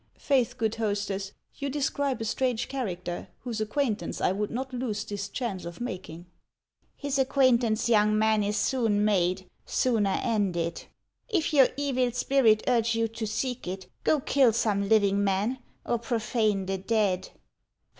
" Faith, good hostess, you describe a strange char acter, whose acquaintance I would not lose this chance of making." " His acquaintance, young man, is soon made, sooner ended. If your evil spirit urge you to seek it, go kill some living man, or profane the dead."